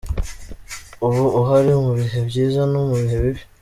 Uba uhari mu bihe byiza no mu bihe bibi.